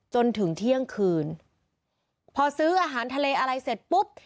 จนถึงเที่ยงคืนพอซื้ออาหารทะเลอะไรเสร็จปุ๊บ